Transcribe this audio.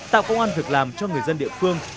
tạo công an việc làm cho người dân địa phương